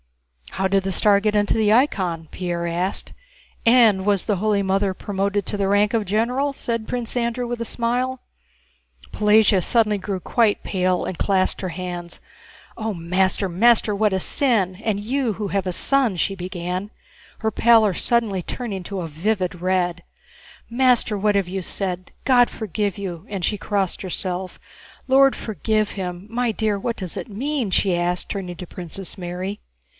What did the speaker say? "How did the star get into the icon?" Pierre asked. "And was the Holy Mother promoted to the rank of general?" said Prince Andrew, with a smile. Pelagéya suddenly grew quite pale and clasped her hands. "Oh, master, master, what a sin! And you who have a son!" she began, her pallor suddenly turning to a vivid red. "Master, what have you said? God forgive you!" And she crossed herself. "Lord forgive him! My dear, what does it mean?..." she asked, turning to Princess Mary.